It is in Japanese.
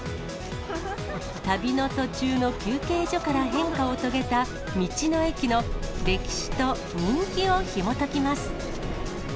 旅の途中の休憩所から変化を遂げた道の駅の歴史と人気をひもときます。